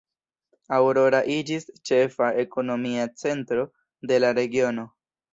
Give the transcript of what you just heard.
Aurora iĝis ĉefa ekonomia centro de la regiono.